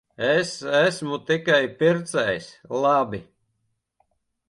Es esmu tikai pircējs. Labi.